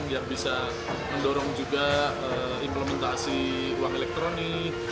yang bisa mendorong juga implementasi uang elektronik